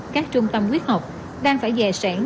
các trung tâm quyết học đang phải dè sẻn